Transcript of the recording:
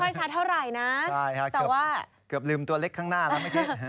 ใช่ค่ะเกือบลืมตัวเล็กข้างหน้าแล้วไม่คิด